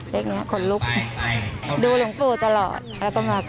เห็นเลขนี้ขนลุกดูหลวงปู่ตลอดแล้วก็มาขอเลข